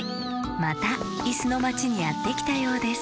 またいすのまちにやってきたようです